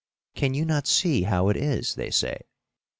Can you not see how it is? they say.